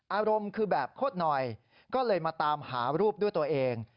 อารมณ์คือแบบโคตรหน่อยก็เลยมาตามหารูปด้วยตัวเอง